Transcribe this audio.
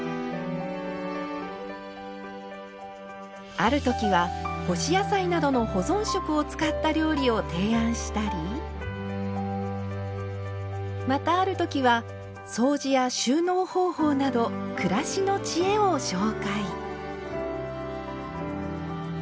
ある時は干し野菜などの保存食を使った料理を提案したりまたある時は掃除や収納方法など暮らしの知恵を紹介。